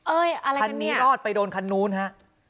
เอ้ยอะไรคันนี้คันนี้อร่อยไปโดนคันนู้นฮะ